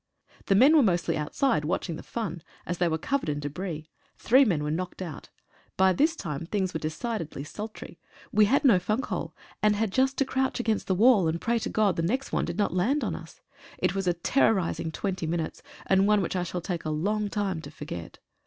The men were mostly outside watching the "fun," and they were covered in debris. Three men were knocked out. By this time things were decidedly sultry. We had no funk hole, and had just to crouch against the wall, and pray to God the next one did not land on us. It was a terror ising twenty minutes, and one which I shall take a long time to forget.